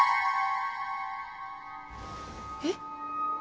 えっ！？